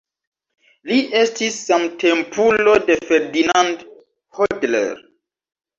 Li estis samtempulo de Ferdinand Hodler.